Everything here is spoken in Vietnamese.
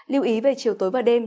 liêu ý về chiều tối và đêm